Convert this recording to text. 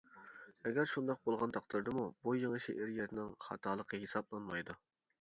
ئەگەر شۇنداق بولغان تەقدىردىمۇ، بۇ يېڭى شېئىرىيەتنىڭ خاتالىقى ھېسابلانمايدۇ.